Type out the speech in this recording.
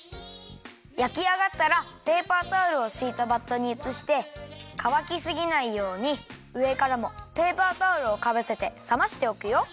やきあがったらペーパータオルをしいたバットにうつしてかわきすぎないようにうえからもペーパータオルをかぶせてさましておくよ。